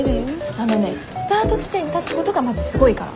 あのねスタート地点に立つことがまずすごいから。